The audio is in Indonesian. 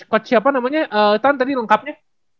coach siapa namanya tan tadi lengkapnya